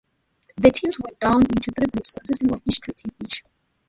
The teams were drawn into three groups, consisting of three teams each.